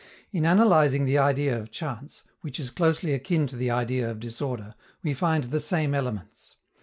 In analyzing the idea of chance, which is closely akin to the idea of disorder, we find the same elements.